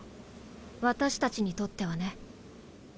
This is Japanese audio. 私たちにとってはね。